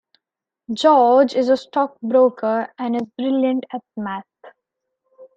George is a stock broker and is brilliant at math.